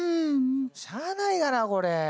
しゃあないがなこれ。